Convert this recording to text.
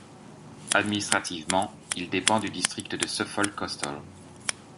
Administrativement, il dépend du district de Suffolk Coastal.